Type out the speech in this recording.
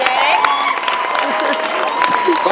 ขอแปกทั้งหมดครับ